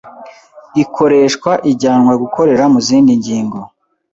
ikoreshwa ijyanwa gukorera mu zindi ngingo.